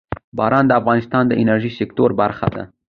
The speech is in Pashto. باران د افغانستان د انرژۍ سکتور برخه ده.